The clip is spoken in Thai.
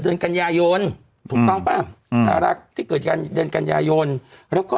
เดือนกัญญาโยนถูกต้องป่ะอืมที่เกิดการเดือนกัญญาโยนแล้วก็